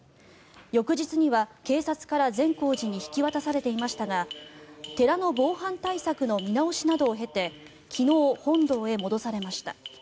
翌日には警察から善光寺に引き渡されていましたが寺の防犯対策の見直しなどを経て昨日、本堂へ戻されました。